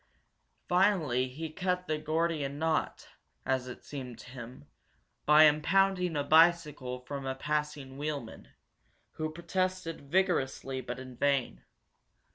Finally he cut the Gordian knot, as it seemed to him, by impounding a bicycle from a passing wheelman, who protested vigorously but in vain.